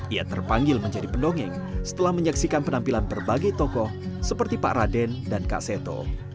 ia terpanggil menjadi pendongeng setelah menyaksikan penampilan berbagai tokoh seperti pak raden dan kak seto